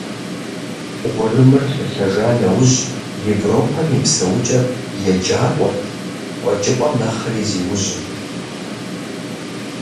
Урымыр лъэлъэжа нэужь, Европэм и псэукӀэр екӀакӀуэрт, КъуэкӀыпӀэм нэхъри зиужьырт.